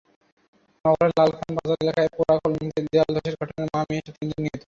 নগরের লালখান বাজার এলাকার পোড়া কলোনিতে দেয়ালধসের ঘটনায় মা-মেয়েসহ তিনজন নিহত হয়েছেন।